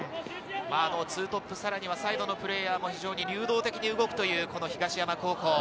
２トップ、さらにサイドのプレーヤーが非常に流動的に動くという東山高校。